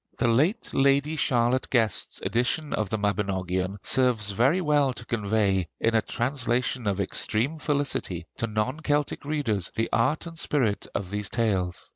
The late Lady Charlotte Guest's edition of the 'Mabinogion' serves very well to convey, in a translation of extreme felicity, to non Celtic readers the art and spirit of these tales.